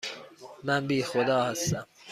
من بی خدا هستم.